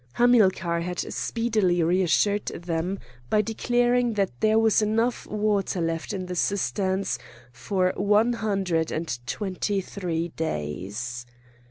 Hamilcar had speedily reassured them by declaring that there was enough water left in the cisterns for one hundred and twenty three days.